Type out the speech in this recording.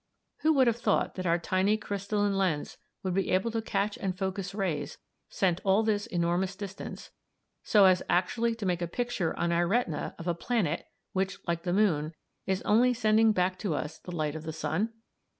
Who would have thought that our tiny crystalline lens would be able to catch and focus rays, sent all this enormous distance, so as actually to make a picture on our retina of a planet, which, like the moon, is only sending back to us the light of the sun?